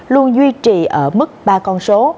luôn duy trì ở mức ba con số